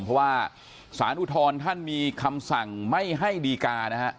เพราะว่าสารอุทธรณ์ท่านมีคำสั่งไม่ให้ดีกานะฮะ